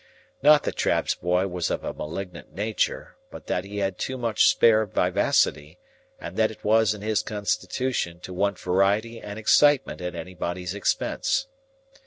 Not that Trabb's boy was of a malignant nature, but that he had too much spare vivacity, and that it was in his constitution to want variety and excitement at anybody's expense.